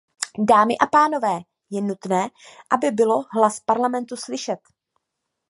Dámy a pánové, je nutné, aby bylo hlas Parlamentu slyšet.